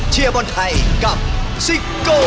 เชื่อบนไทยกับซิโก